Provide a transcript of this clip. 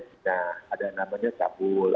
cina ada namanya kabul